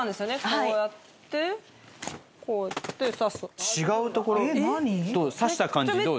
こうやってこうやって差す違うところえっ何？差した感じどうですか？